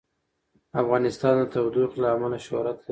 افغانستان د تودوخه له امله شهرت لري.